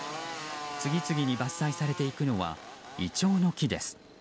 次々に伐採されていくのはイチョウの木です。